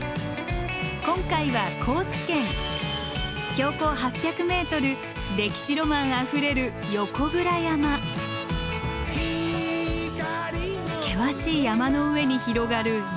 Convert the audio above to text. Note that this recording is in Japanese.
今回は高知県標高８００ｍ歴史ロマンあふれる険しい山の上に広がる豊かな森。